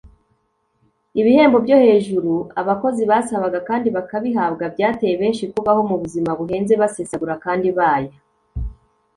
ibihembo byo hejuru abakozi basabaga kandi bakabihabwa byateye benshi kubaho mu buzima buhenze basesagura kandi baya